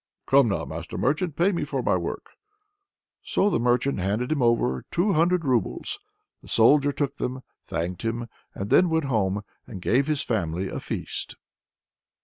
"Come now, master merchant! pay me for my work." So the merchant handed him over two hundred roubles. The soldier took them, thanked him, and then went home, and gave his family a feast.